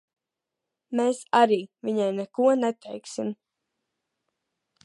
Mēs arī viņai neko neteiksim.